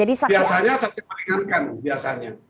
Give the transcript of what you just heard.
biasanya saksi palingankan